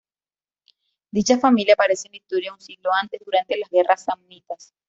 Dicha familia aparece en la historia un siglo antes, durante las guerras samnitas.